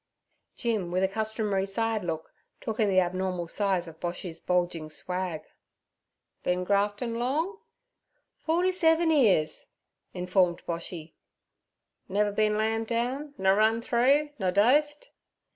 Jim, with a customary side look, took in the abnormal size of Boshy's bulging swag. 'Bin graftin' long?' 'Forty seven 'ears' informed Boshy. 'Niver bin lambed down, nur run through, nur dosed?'